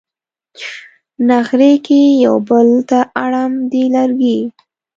نغري کې یو بل ته اړم دي لرګي